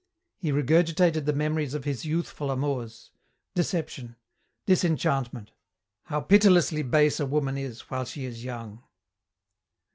He regurgitated the memories of his youthful amours. Deception. Disenchantment. How pitilessly base a woman is while she is young!